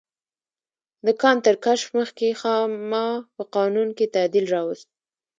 د کان تر کشف مخکې خاما په قانون کې تعدیل راوست.